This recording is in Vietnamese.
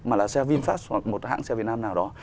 mà là xe vinfast hoặc một hãng xe việt nam nào đó